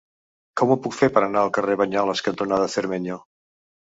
Com ho puc fer per anar al carrer Banyoles cantonada Cermeño?